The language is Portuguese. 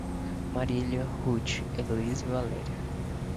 Marília, Ruth, Heloísa e Valéria